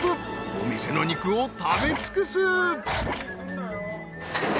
［お店の肉を食べ尽くす］